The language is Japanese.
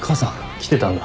来てたんだ。